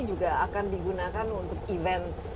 juga akan digunakan untuk event